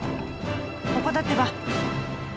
ここだってば！